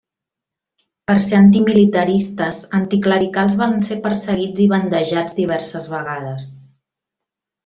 Per ser antimilitaristes, anticlericals van ser perseguits i bandejats diverses vegades.